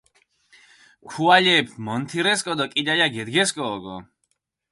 ქუალეფი მონთირესკო დო კიდალა გედგესკო ოკო.